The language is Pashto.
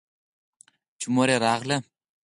چې مور يې راغله.